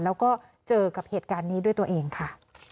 แล้วก็เจอกับเหตุการณ์นี้ด้วยตัวเองค่ะ